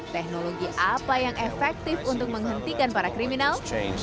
teknologi apa yang efektif untuk menghentikan para kriminal